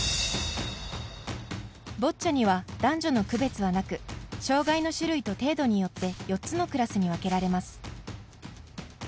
ボッチャには男女の区別はなく障がいの種類と程度によって４つのクラスに分けられます。